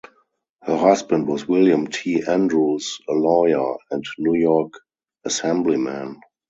Her husband was William T. Andrews, a lawyer and New York assemblyman.